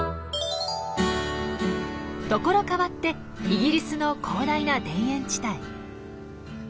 所変わってイギリスの広大な田園地帯。